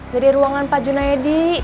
dari ruangan pak junaedi